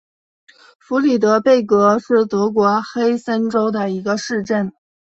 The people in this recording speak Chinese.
弗里德贝格是德国黑森州的一个市镇。